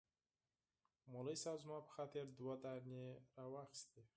اصولي صیب زما په خاطر دوه دانې راواخيستې.